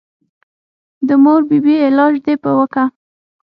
د مور بي بي علاج دې پې وکه.